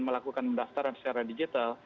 melakukan daftaran secara digital